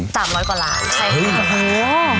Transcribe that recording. ๓๐๐กว่าร้านใช่ไหม